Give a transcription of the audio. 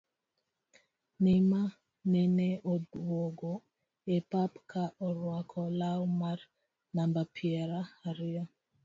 Neymar nene odwogo e pap ka orwako lau mar namba piero ariyo